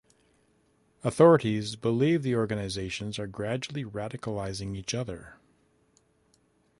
Authorities believe the organizations are gradually radicalizing each other.